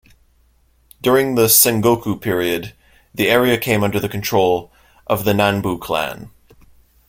During the Sengoku period, the area came under the control of the Nanbu clan.